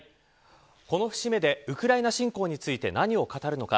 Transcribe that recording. この節目でウクライナ侵攻について何を語るのか。